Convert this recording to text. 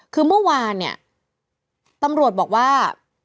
คือเมื่อวานเนี่ยตำรวจบอกว่า